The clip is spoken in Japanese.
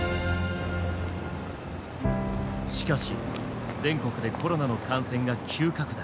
しかし全国でコロナの感染が急拡大。